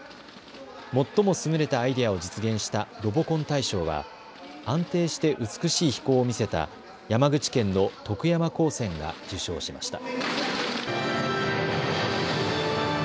最も優れたアイデアを実現したロボコン大賞は安定して美しい飛行を見せた山口県の徳山高専が受賞しました。